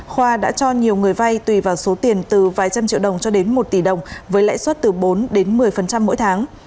khoa đã cho nhiều người vay tùy vào số tiền từ vài trăm triệu đồng cho đến một tỷ đồng với lãi suất từ bốn đến một mươi mỗi tháng